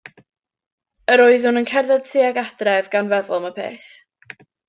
Yr oeddwn yn cerdded tuag adref gan feddwl am y peth.